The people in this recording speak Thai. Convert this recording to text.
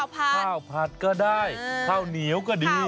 ข้าวผัดก็ได้ข้าวเหนียวก็ดี